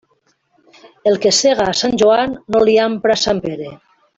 El que sega a Sant Joan no li ampra a Sant Pere.